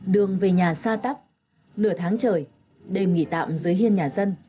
đường về nhà xa tắp nửa tháng trời đêm nghỉ tạm dưới hiên nhà dân